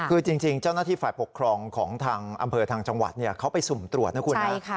คือจริงเจ้าหน้าที่ฝ่ายปกครองของทางอำเภอทางจังหวัดเขาไปสุ่มตรวจนะคุณนะ